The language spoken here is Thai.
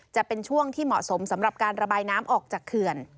จะเป็นช่วงที่เหมาะสมสำหรับการระบายน้ำออกจากเขื่อน